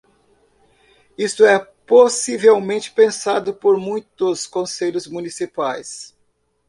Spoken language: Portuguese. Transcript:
Isto é possivelmente pensado por muitos conselhos municipais.